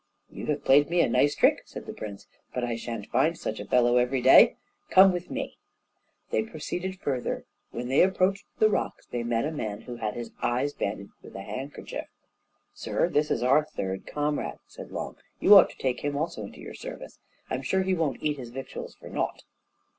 "You have played me a nice trick," said the prince, "but I shan't find such a fellow every day; come with me." They proceeded further. When they approached the rocks, they met a man who had his eyes bandaged with a handkerchief. "Sir, this is our third comrade," said Long, "you ought to take him also into your service. I'm sure he won't eat his victuals for naught."